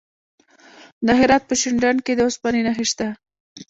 د هرات په شینډنډ کې د اوسپنې نښې شته.